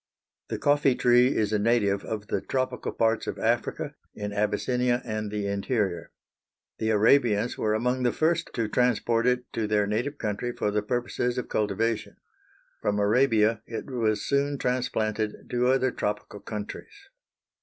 The coffee tree is a native of the tropical parts of Africa, in Abyssinia and the interior. The Arabians were among the first to transport it to their native country for the purposes of cultivation. From Arabia it was soon transplanted to other tropical countries.